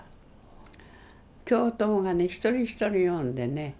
教頭がね一人一人呼んでね